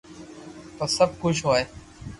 پسي سب خوݾ ھوئي